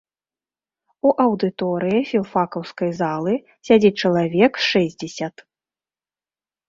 У аўдыторыі філфакаўскай залы сядзіць чалавек шэсцьдзесят.